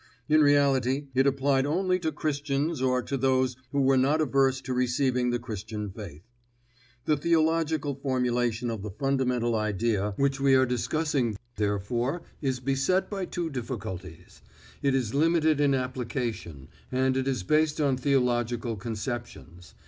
In reality, it applied only to Christians or to those who were not averse to receiving the Christian faith. The theological formulation of the fundamental idea which we are discussing, therefore, is beset by two difficulties: it is limited in application, and it is based on theological conceptions.